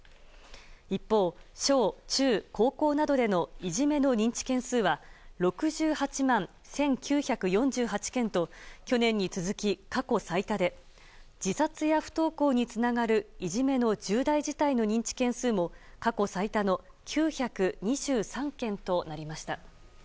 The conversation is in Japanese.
一方、小中高校などでのいじめの認知件数は６８万１９４８件と去年に続き過去最多で自殺や不登校につながるいじめの重大事態の認知件数も過去最多の９２３件となりました。